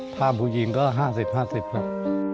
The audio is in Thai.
ผู้หญิงก็๕๐๕๐ครับ